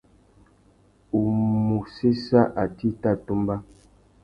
U mù séssa atê i tà tumba.